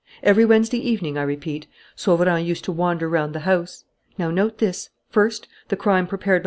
Every Wednesday evening, I repeat, Sauverand used to wander round the house. Now note this: first, the crime prepared by M.